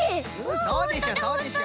そうでしょそうでしょ。